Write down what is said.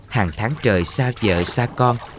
hàng tháng trời xa vợ xa con